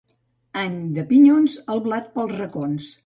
Any de pinyons, el blat pels racons.